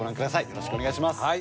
よろしくお願いします。